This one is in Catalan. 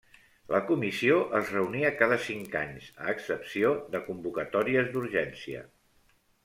La Comissió es reunia cada cinc anys a excepció de convocatòries d'urgència.